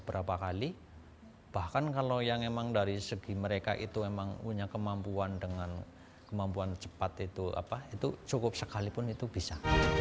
berapa kali bahkan kalau yang emang dari segi mereka itu memang punya kemampuan dengan kemampuan cepat itu apa itu cukup sekalipun itu bisa